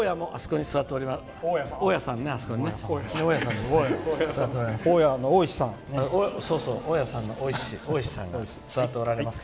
大家さんもあそこに座っておられます。